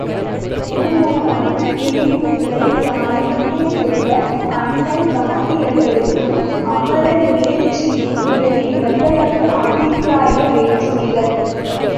உருவானாலும் பிரிவினைகளைத் தாரா இனிய செல்வ, அண்ணல் காந்தியடிகளுக்கும் அமரர் நேருஜிக்கும் இடையில் எவ்வளவு அபிப்பிராய வேற்றுமைகள்!